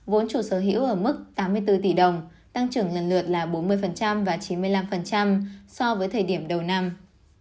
vốn chủ sở hữu ở mức tám mươi bốn tỷ đồng tăng trưởng lần lượt là bốn mươi và chín mươi năm so với thời điểm đầu năm